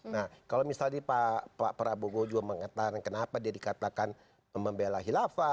nah kalau misalnya pak prabowo juga mengatakan kenapa dia dikatakan membela khilafah